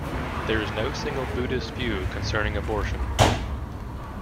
There is no single Buddhist view concerning abortion.